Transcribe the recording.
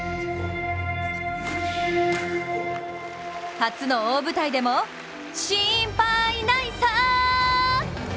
初の大舞台でも心配ないさ！